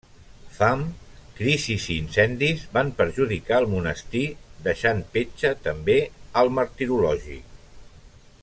Fams, crisis i incendis van perjudicar el monestir, deixant petja també al Martirologi.